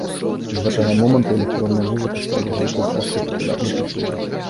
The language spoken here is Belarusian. З гэтага моманту электронная музыка стала звыклай часткай папулярнай культуры.